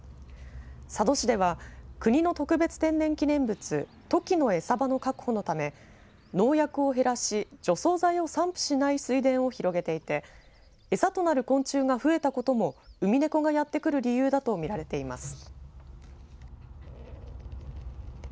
佐渡市では国の特別天然記念物トキのエサ場の確保のため農薬を減らし除草剤を散布しない水田を広げていてエサとなる昆虫が増えたこともウミネコがやってくる理由だと見られています。